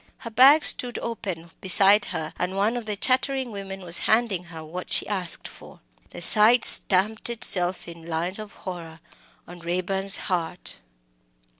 Her bag stood open beside her, and one of the chattering women was handing her what she asked for. The sight stamped itself in lines of horror on Raeburn's heart.